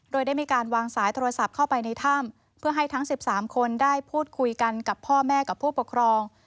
โดยได้มีการวางสายโทรศัพท์เข้าไปในถ้ำเพื่อให้ทั้ง๑๓คนได้พูดคุยกันกับพ่อแม่กับผู้ปกครอง